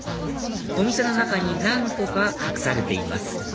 お店の中に何個か隠されています